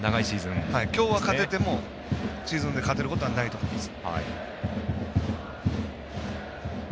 今日は勝ててもシーズンで勝てることはないと思います。